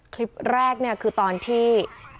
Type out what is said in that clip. คลิปแรกคือตอนที่